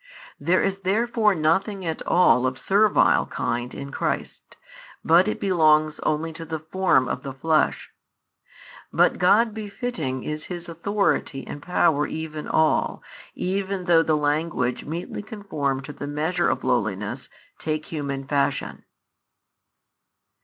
There is therefore nothing at all of servile kind in Christ, but it belongs only to the form of the flesh: but God befitting is His Authority and Power even all, even though the language meetly conformed to the measure of lowliness take human fashion.